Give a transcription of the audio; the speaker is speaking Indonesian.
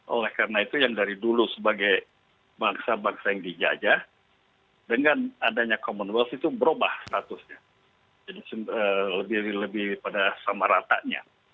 oleh karena itu yang dari dulu sebagai bangsa bangsa yang dijajah dengan adanya commonwealth itu berubah statusnya jadi lebih pada sama ratanya